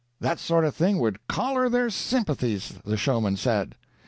That sort of thing would corral their sympathies, the showman said.